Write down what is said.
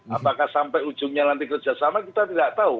apakah sampai ujungnya nanti kerjasama kita tidak tahu